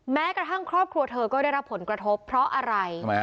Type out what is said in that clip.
แม้กระทั่งครอบครัวเธอก็ได้รับผลกระทบเพราะอะไร